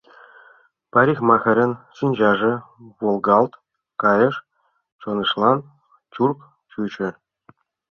Парикмахерын шинчаже волгалт кайыш, чонжылан чурк чучо.